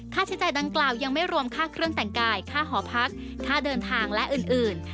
ค่าใช้จ่ายดังกล่าวยังไม่รวมค่าเครื่องแต่งกายค่าหอพักค่าเดินทางและอื่น